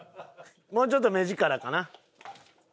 もうちょっと目力かな？